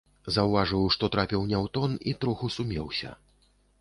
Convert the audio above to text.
Заўважыў, што трапіў не ў тон, і троху сумеўся.